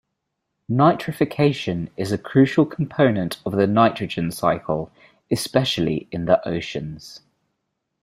Nitrification is a crucial component of the nitrogen cycle, especially in the oceans.